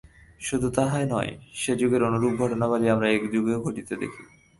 শুধু তাহাই নয়, সে-যুগের অনুরূপ ঘটনাবলী আমরা এযুগেও ঘটিতে দেখি।